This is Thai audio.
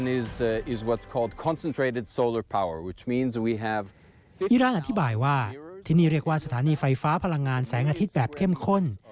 อีรานอธิบายว่าที่นี่เรียกว่าสถานีไฟฟ้าพลังงานแสงอาทิตย์แบบเข้มข้น